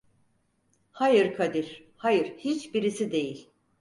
Hayır Kadir, hayır, hiçbirisi değil…